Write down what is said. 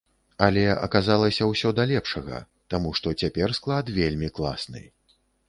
Але, аказалася, усё да лепшага, таму што цяпер склад вельмі класны!